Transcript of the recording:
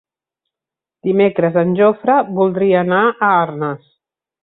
Dimecres en Jofre voldria anar a Arnes.